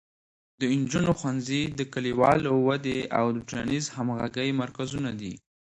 د نجونو ښوونځي د کلیوالو ودې او د ټولنیزې همغږۍ مرکزونه دي.